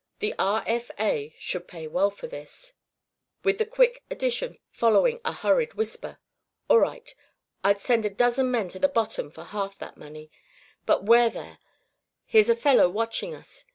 The R. F. A. should pay well for this," with the quick addition following a hurried whisper: "All right! I'd send a dozen men to the bottom for half that money. But 'ware there! Here's a fellow watching us!